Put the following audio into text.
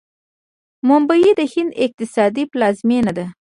ممبۍ د هند اقتصادي پلازمینه ده.